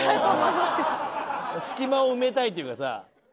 隙間を埋めたいっていうかさ。